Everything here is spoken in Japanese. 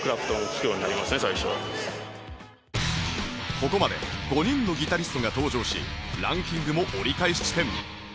ここまで５人のギタリストが登場しランキングも折り返し地点